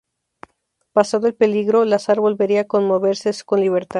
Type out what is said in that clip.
Pasado el peligro, Lazar volvería a con moverse con libertad.